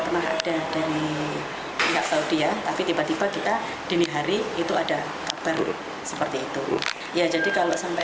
pernah ada dari pihak saudi tapi tiba tiba kita dini hari itu ada kabar seperti itu ya jadi kalau sampai